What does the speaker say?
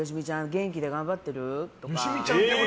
元気で頑張ってる？とか。